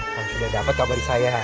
kalau sudah dapat kabar saya